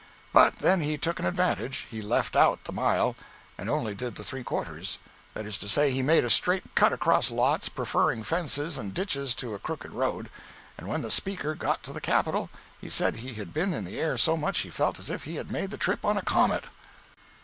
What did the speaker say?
But then he took an advantage—he left out the mile, and only did the three quarters. That is to say, he made a straight cut across lots, preferring fences and ditches to a crooked road; and when the Speaker got to the Capitol he said he had been in the air so much he felt as if he had made the trip on a comet.